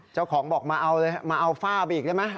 เจ้าของบอกมาเอาเลยมาเอาฝ้าไปอีกได้ไหม